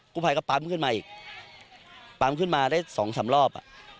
ผู้ภัยก็ปั๊มขึ้นมาอีกปั๊มขึ้นมาได้สองสามรอบ